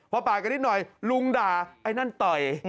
พอปาดกันนิดหน่อยลุงด่าไอ้นั่นต่อย